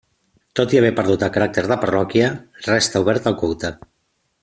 Tot i haver perdut el caràcter de parròquia, resta oberta al culte.